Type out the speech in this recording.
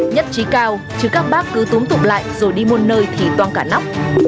nhất trí cao chứ các bác cứ tống tụm lại rồi đi muôn nơi thì toan cả nóc